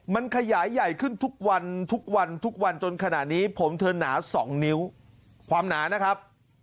มันขยายใหญ่ขึ้นทุกวันทุกวันทุกวันจนขณะนี้ผมเธอหนาสองนิ้วความหนานะครับ